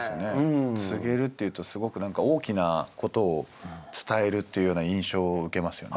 「告げる」っていうとすごく何か大きなことを伝えるというような印象を受けますよね。